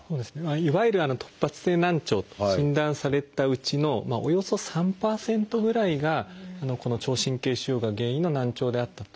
いわゆる突発性難聴と診断されたうちのおよそ３％ぐらいがこの聴神経腫瘍が原因の難聴であったと。